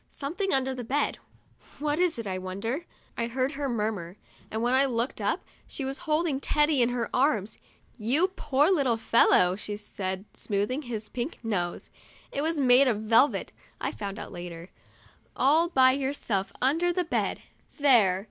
"Something under the bed — what is it, I wonder?" I heard her murmur, and when I looked up she was holding Teddy in her arms. "You poor little fellow!' she said, smoothing his pink nose (it was made of velvet, I found out later); "all by yourself under the bed. There!"